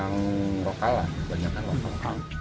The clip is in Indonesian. yang rokal lah banyak yang rokal